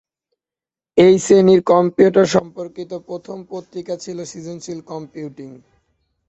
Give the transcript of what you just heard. এই শ্রেণীর কম্পিউটার সম্পর্কিত প্রথম পত্রিকা ছিল সৃজনশীল কম্পিউটিং।